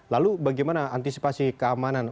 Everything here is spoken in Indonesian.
lalu bagaimana antisipasi keamanan